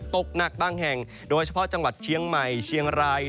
ตกหนักบางแห่งโดยเฉพาะจังหวัดเชียงใหม่เชียงราย